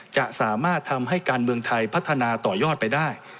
จะสามารถทำให้การเมืองไทยพัฒนาต่อยอดไปได้